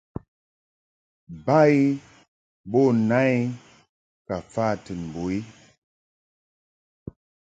Ba i bo na i ka fa tɨn mbo i.